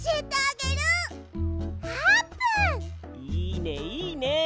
いいねいいね！